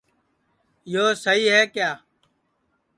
یو سئہی ہے کیا